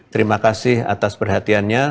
terima kasih atas perhatiannya